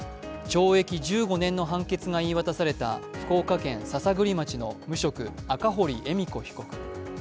懲役１５年の判決が言い渡された福岡県篠栗町の無職赤堀恵美子被告。